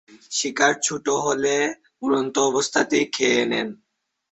শিকার ছোট হলে উড়ন্ত অবস্থাতেই খেয়ে নেয়।